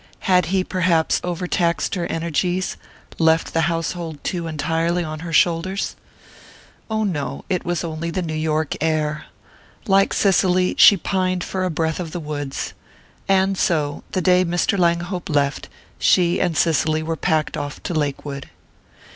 Had he perhaps over taxed her energies, left the household too entirely on her shoulders? Oh, no it was only the New York air...like Cicely, she pined for a breath of the woods.... And so, the day Mr. Langhope left, she and Cicely were packed off to Lakewood.